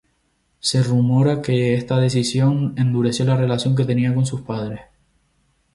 Se rumora que esta decisión endureció la relación que tenía con sus padres.